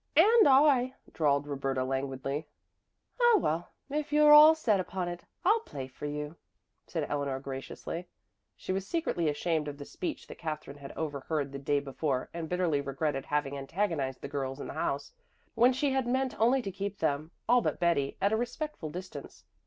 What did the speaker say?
"And I," drawled Roberta languidly. "Oh well, if you're all set upon it, I'll play for you," said Eleanor graciously. She was secretly ashamed of the speech that Katherine had overheard the day before and bitterly regretted having antagonized the girls in the house, when she had meant only to keep them all but Betty at a respectful distance.